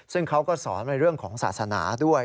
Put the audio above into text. ซึ่งเขาก็สอนในเรื่องของศาสนาด้วย